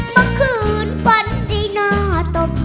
บางคืนฝันได้หน้าตบ